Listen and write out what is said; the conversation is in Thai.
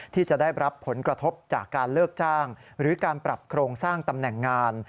ที่จะได้รับผลกระทบจากการเลิกจ้างหรือการปรับโครงสร้างตำแหน่งงาน